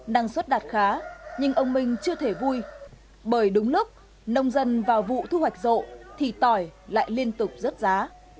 năng suất đạt khá nhưng ông minh chưa thể vui bởi đúng lúc nông dân vào vụ thu hoạch rộ thì tỏi lại liên tục rớt giá